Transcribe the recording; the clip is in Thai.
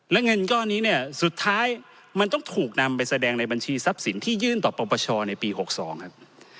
และเงินก้อนนี้เนี่ยสุดท้ายมันต้องถูกนำไปแสดงในบัญชีทรัพย์สินที่ยื่นต่อปปชในปี๖๒ครับ